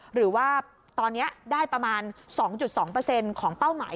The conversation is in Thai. หรือว่าตอนนี้ได้ประมาณ๒๒ของเป้าหมาย